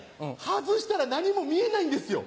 外したら何も見えないんですよ。